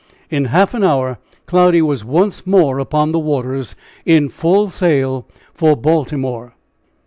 In half an hour Cloudy was "once more upon the waters," in full sail for Baltimore.